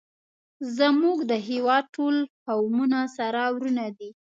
زمونږ د هیواد ټول قومونه سره ورونه دی